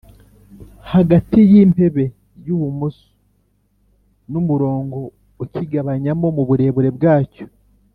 hagati y’impebe y’ubumoso n’umurongo ukigabanyamo muburebure bwacyo